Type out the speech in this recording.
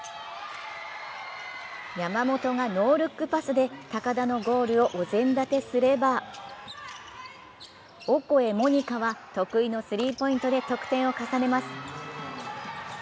山本がノールックパスで、高田のゴールをお膳立てすればオコエ桃仁花は得意のスリーポイントで得点を重ねます。